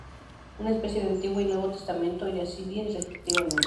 Una especie de Antiguo y Nuevo Testamento yazidíes respectivamente.